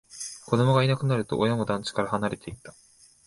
子供がいなくなると、親も団地から離れていった